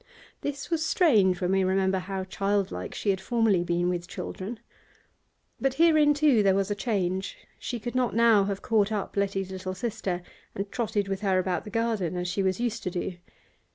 This was strange, when we remember how childlike she had formerly been with children. But herein, too, there was a change; she could not now have caught up Letty's little sister and trotted with her about the garden as she was used to do.